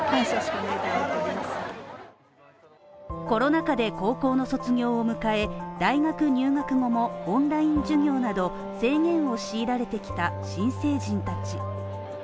コロナ禍で高校の卒業を迎え、大学入学後もオンライン授業など制限を強いられてきた新成人たち。